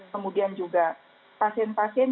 kemudian juga pasien pasien